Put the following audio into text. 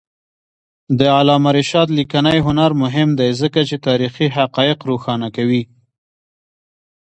د علامه رشاد لیکنی هنر مهم دی ځکه چې تاریخي حقایق روښانه کوي.